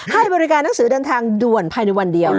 ให้บริการหนังสือเดินทางด่วนภายในวันเดียว